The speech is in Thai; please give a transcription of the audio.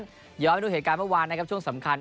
เดี๋ยวเอาให้ดูเหตุการณ์เมื่อวานนะครับช่วงสำคัญ